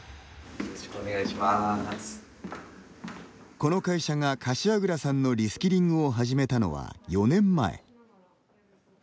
この会社が、柏倉さんのリスキリングを始めたのは４年前。